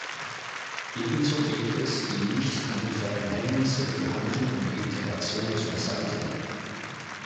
Ebenso gilt es, die nichttarifären Hemmnisse für Handel und Integration zu beseitigen.